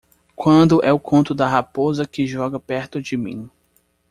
Quando é o conto da raposa que joga perto de mim